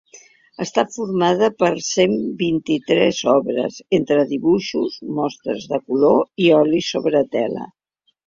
Està formada per cent vint-i-tres obres, entre dibuixos, mostres de color i olis sobre tela.